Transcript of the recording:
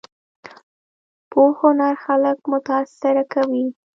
پوخ هنر خلک متاثره کوي